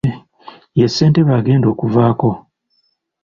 Ye ssentebe agenda okuvaako.